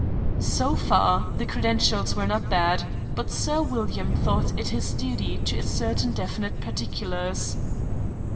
So far, the credentials were not bad; but Sir William thought it his duty to ascertain definite particulars.